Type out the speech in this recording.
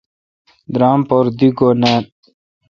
درام پر دی گُو نان۔